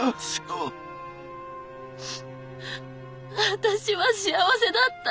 私は幸せだった。